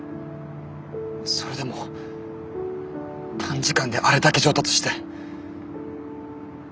それでも短時間であれだけ上達して。